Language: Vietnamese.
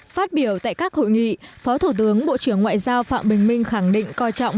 phát biểu tại các hội nghị phó thủ tướng bộ trưởng ngoại giao phạm bình minh khẳng định coi trọng